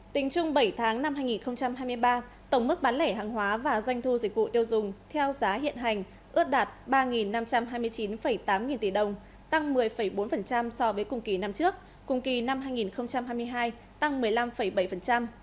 trong đó doanh thu bán lẻ hàng hóa bảy tháng năm hai nghìn hai mươi ba ước đạt hai bảy trăm bảy mươi bảy nghìn tỷ đồng chiếm bảy mươi tám bảy tổng mức và tăng chín so với cùng kỳ năm trước